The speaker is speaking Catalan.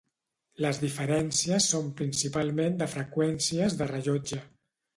Les diferències són principalment de freqüències de rellotge.